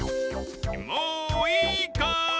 もういいかい？